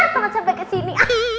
sangat sampai kesini